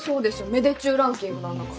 芽出中ランキングなんだから。